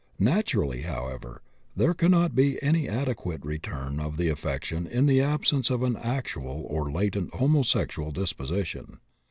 Naturally, however, there cannot be any adequate return of the affection in the absence of an actual or latent homosexual disposition.